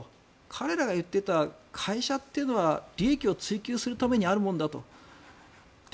彼らが言っていた会社というものは利益を追求するためにあるもんだと。